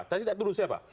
saya tidak tuduh siapa